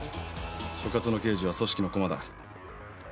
所轄の刑事は組織の駒だ。